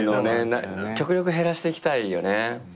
極力減らしていきたいよね。